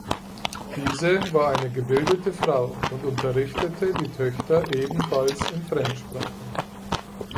Diese war eine gebildete Frau und unterrichtete die Töchter ebenfalls in Fremdsprachen.